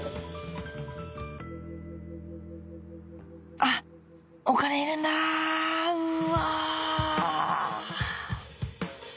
あっお金いるんだうわぁ